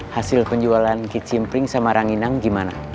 hasil penjualan kicimpring sama ranginang gimana